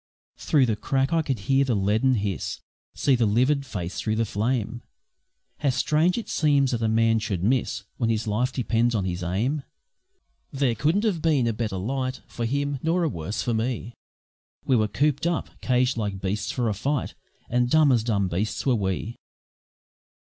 Through the crack I could hear the leaden hiss! See the livid face through the flame! How strange it seems that a man should miss When his life depends on his aim! There couldn't have been a better light For him, nor a worse for me. We were coop'd up, caged like beasts for a fight, And dumb as dumb beasts were we.